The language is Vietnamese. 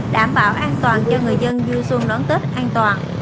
đảm bảo an toàn cho người dân vui xuân đón tết an toàn